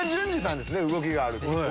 動きがあるっていうと。